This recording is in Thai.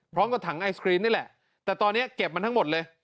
พร้อมกับถังไอศครีมนี่แหละแต่ตอนนี้เก็บมันทั้งหมดเลย